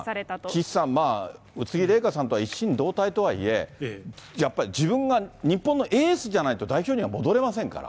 岸さん、まあ、宇津木麗華さんとは一心同体とはいえ、やっぱり自分が日本のエースじゃないと代表には戻れませんから。